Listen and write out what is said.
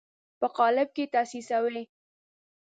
په قالب کې یې تاسیسوي.